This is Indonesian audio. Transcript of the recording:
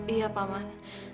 iya pak man